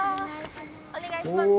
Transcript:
お願いします。